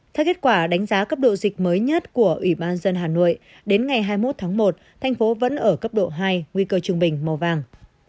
theo kết quả đánh giá cấp độ dịch mới nhất của ủy ban dân hà nội đến ngày hai mươi một tháng một thành phố vẫn ở cấp độ hai nguy cơ trung bình màu vàng